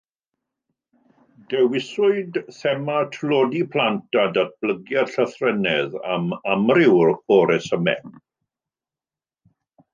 Dewiswyd thema tlodi plant a datblygiad llythrennedd am amryw o resymau